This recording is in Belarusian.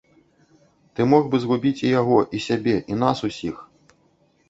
Ты мог бы згубіць і яго, і сябе, і нас усіх.